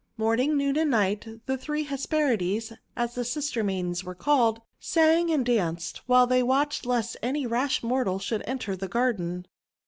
Morning, noon, and night the three Hesperides, as the sister maidens were called, sang and danced, while they watched lest any rash mortal should enter the garden.